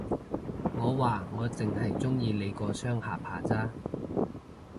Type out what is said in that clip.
我話，我剩係鍾意你個雙下巴咋